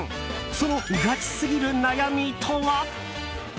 そのガチすぎる悩みとは？